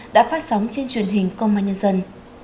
đã phát sóng trên truyền hình công an nhân dân